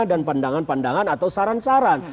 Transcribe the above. dan pandangan pandangan atau saran saran